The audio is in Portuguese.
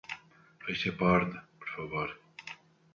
Feche a porta, por favor.